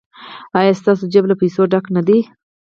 ایا ستاسو جیب له پیسو ډک نه دی؟